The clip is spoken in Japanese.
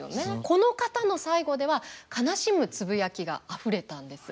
この方の最期では悲しむつぶやきがあふれたんです。